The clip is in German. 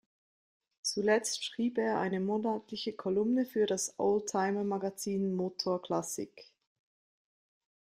Zuletzt schrieb er eine monatliche Kolumne für das Oldtimer-Magazin Motor Klassik.